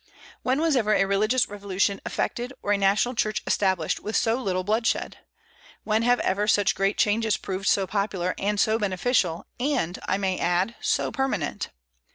When was ever a religious revolution effected, or a national church established, with so little bloodshed? When have ever such great changes proved so popular and so beneficial, and, I may add, so permanent?